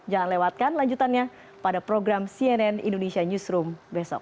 jangan lewatkan lanjutannya pada program cnn indonesia newsroom besok